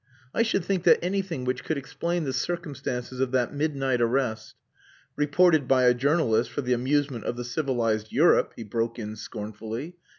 "I should think that anything which could explain the circumstances of that midnight arrest...." "Reported by a journalist for the amusement of the civilized Europe," he broke in scornfully.